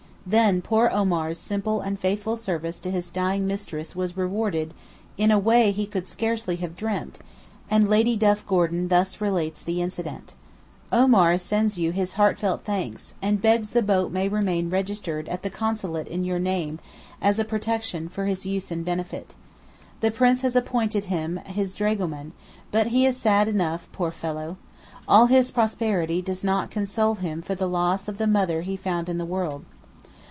Then poor Omar's simple and faithful service to his dying mistress was rewarded in a way he could scarcely have dreamt; and Lady Duff Gordon thus relates the incident: "Omar sends you his heartfelt thanks, and begs the boat may remain registered at the Consulate in your name, as a protection, for his use and benefit. The Prince has appointed him his dragoman, but he is sad enough, poor fellow! all his prosperity does not console him for the loss of "the mother he found in the world."